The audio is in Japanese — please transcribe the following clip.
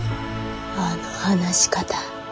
あの話し方